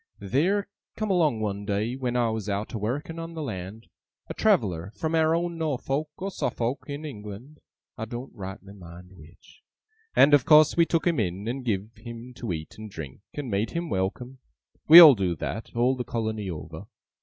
Theer come along one day, when I was out a working on the land, a traveller from our own Norfolk or Suffolk in England (I doen't rightly mind which), and of course we took him in, and giv him to eat and drink, and made him welcome. We all do that, all the colony over.